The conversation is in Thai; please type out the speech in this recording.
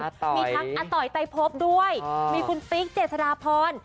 มีทั้งอาต๋อยไตพบด้วยมีคุณปิ๊กเจษฎาพร